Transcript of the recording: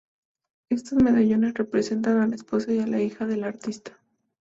Estos medallones representan a la esposa y la hija del artista.